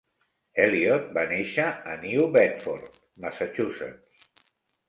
Eliot va néixer a New Bedford, Massachusetts.